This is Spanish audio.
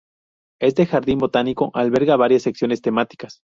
Este jardín botánico alberga varias secciones temáticas,